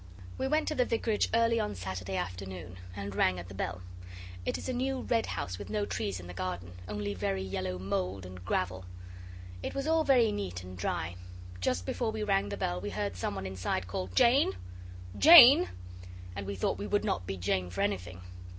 We went to the Vicarage early on Saturday afternoon, and rang at the bell. It is a new red house with no trees in the garden, only very yellow mould and gravel. It was all very neat and dry. Just before we rang the bell we heard some one inside call 'Jane! Jane!' and we thought we would not be Jane for anything.